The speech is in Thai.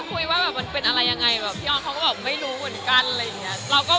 คุยว่าแบบมันเป็นอะไรยังไงแบบพี่ออสเขาก็บอกไม่รู้เหมือนกันอะไรอย่างนี้